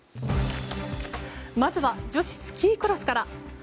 まずは女子スキークロスから。